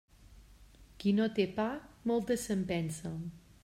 Qui no té pa, moltes se'n pensa.